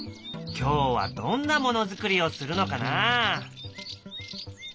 今日はどんなものづくりをするのかな？